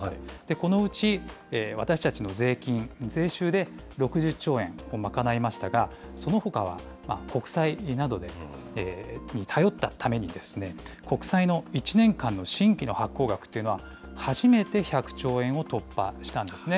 このうち、私たちの税金、税収で６０兆円を賄いましたが、そのほかは国債などに頼ったためにですね、国債の１年間の新規の発行額というのは、初めて１００兆円を突破したんですね。